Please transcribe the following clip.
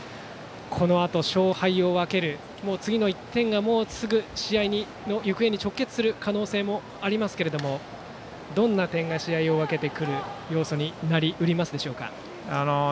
このあと勝敗を分ける次の１点が試合の行方に直結する可能性もありますけどどんな点が試合を分ける要素になりますか。